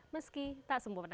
meski tak sempurna